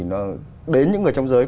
nó đến những người trong giới